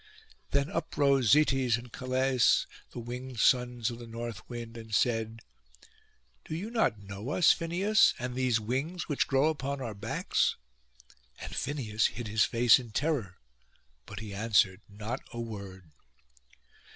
Then up rose Zetes and Calais, the winged sons of the North wind, and said, 'Do you not know us, Phineus, and these wings which grow upon our backs?' And Phineus hid his face in terror; but he answered not a word.